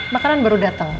makanan baru dateng